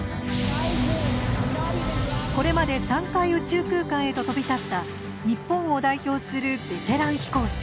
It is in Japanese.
これまで３回宇宙空間へと飛び立った日本を代表するベテラン飛行士。